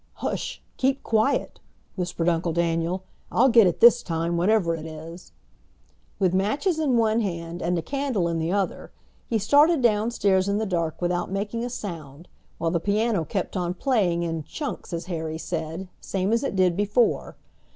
"Hush! keep quiet!" whispered Uncle Daniel. "I'll get it this time, whatever it is!" With matches in one hand and a candle in the other he started downstairs in the dark without making a sound, while the piano kept on playing in "chunks" as Harry said, same as it did before.